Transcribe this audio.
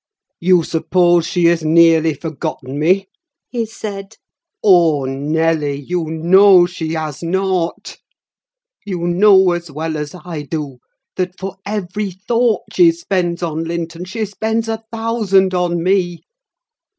"You suppose she has nearly forgotten me?" he said. "Oh, Nelly! you know she has not! You know as well as I do, that for every thought she spends on Linton she spends a thousand on me!